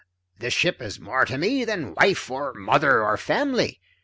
This ship is more to me than wife or mother or family.